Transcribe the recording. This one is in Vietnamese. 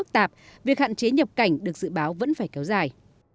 tạp việc hạn chế nhập cảnh được dự báo vẫn phải kéo dài